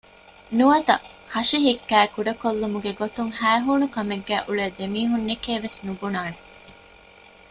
ނުވަތަ ހަށި ހިއްކައި ކުޑަކޮށްލުމުގެ ގޮތުން ހައިހޫނުކަމެއްގައި އުޅޭ ދެމީހުންނެކޭ ވެސް ނުބުނާނެ